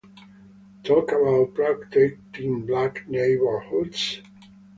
Talk about protecting black neighborhoods?